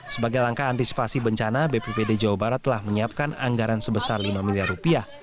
sebagai langkah antisipasi bencana bppd jawa barat telah menyiapkan anggaran sebesar lima miliar rupiah